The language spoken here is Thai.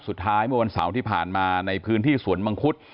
เมื่อวันเสาร์ที่ผ่านมาในพื้นที่สวนมังคุด